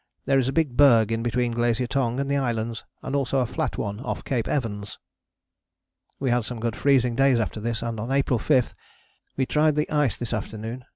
There is a big berg in between Glacier Tongue and the Islands, and also a flat one off Cape Evans." We had some good freezing days after this, and on April 5 "we tried the ice this afternoon.